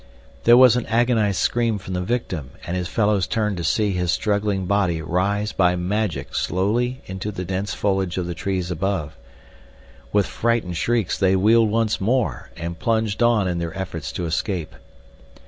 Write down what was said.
There was an agonized scream from the victim, and his fellows turned to see his struggling body rise as by magic slowly into the dense foliage of the trees above. With frightened shrieks they wheeled once more and plunged on in their efforts to escape.